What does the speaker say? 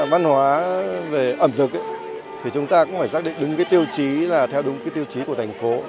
văn hóa về ẩm thực thì chúng ta cũng phải xác định đúng cái tiêu chí là theo đúng cái tiêu chí của thành phố